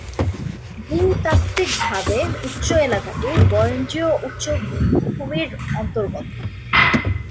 ভূ-তাত্বিকভাবে উক্ত এলাকাটি বরেন্দ্রীয় উচ্চ ভূমির অন্তর্গত।